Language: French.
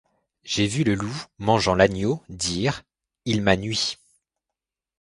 J’ai vu le loup mangeant l’agneau, dire : Il m’a nui !